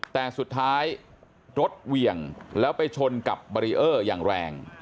แต่สุดท้ายรถเหวี่ยงแล้วไปชนกับบารีเออร์อย่างแรง